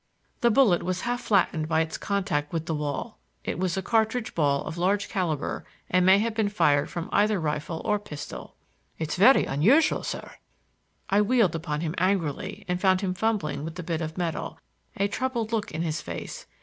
The bullet was half flattened by its contact with the wall. It was a cartridge ball of large caliber and might have been fired from either rifle or pistol. "It's very unusual, sir!" I wheeled upon him angrily and found him fumbling with the bit of metal, a troubled look in his face.